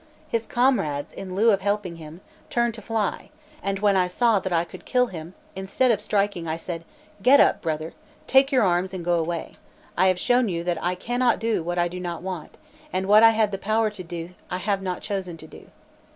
His comrades, in lieu of helping him, turned to fly; and when I saw that I could kill him, instead of striking, I said: "Get up, brother; take your arms and go away. I have shown you that I cannot do what I do not want, and what I had the power to do I have not chosen to do."